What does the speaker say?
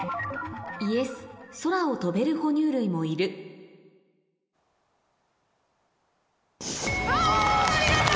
空を飛べるほ乳類もいるありがとう！